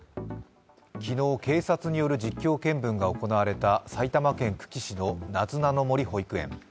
昨日、警察による実況見分が行われた埼玉県久喜市のなずなの森保育園。